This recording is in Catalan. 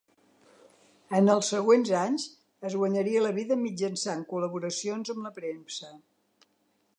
En els següents anys es guanyaria la vida mitjançant col·laboracions amb la premsa.